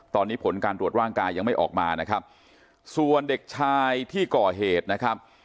ตอนนี้ผลการตรวจร่างกายยังไม่ออกมานะครับส่วนเด็กชายที่ก่อเหตุนะครับ